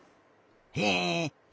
へえ。